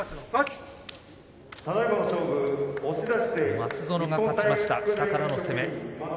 松園が勝ちました下からの攻め。